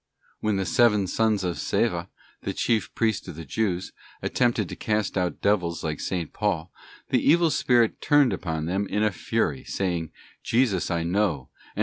Wen the seven sons of Sceva, a chief priest of the Jews, attempted to cast out devils like 8. Paul, the evil spirit turned upon them in a fury, saying, 'Jesus I know, and